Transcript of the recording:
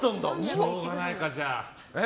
しょうがないか、じゃあ。